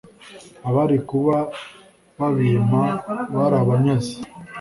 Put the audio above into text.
Abari kuba babimpa Barabanyaze